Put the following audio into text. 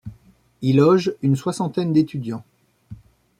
Y logent une soixantaine d'étudiants.